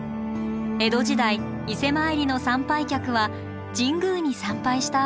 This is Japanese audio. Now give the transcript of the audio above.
江戸時代伊勢参りの参拝客は神宮に参拝した